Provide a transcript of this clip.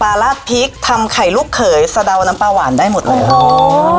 ลาดพริกทำไข่ลูกเขยสะเดาน้ำปลาหวานได้หมดเลยครับ